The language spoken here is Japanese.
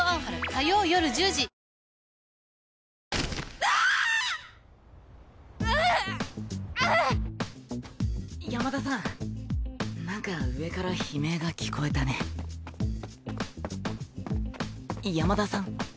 ううっ山田さん何か上から悲鳴が聞こえたね山田さん？